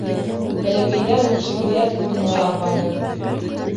Бәләкәйҙән үк шиғриәт үҙенә арбаны.